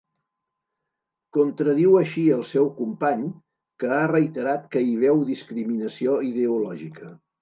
Contradiu així el seu company, que ha reiterat que hi veu discriminació ideològica.